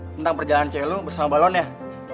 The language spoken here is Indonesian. tentang perjalanan cewe lo bersama balonnya